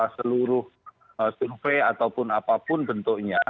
seluruh survei ataupun apapun bentuknya